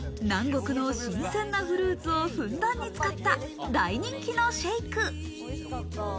南国の新鮮なフルーツをふんだんに使った大人気のシェイク。